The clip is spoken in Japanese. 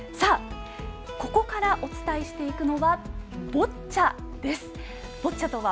ここからお伝えしていくのはボッチャです。